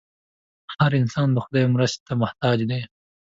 هر انسان د خدای مرستې ته محتاج دی.